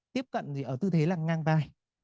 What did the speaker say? tiếp cận ở tư thế là ngang vai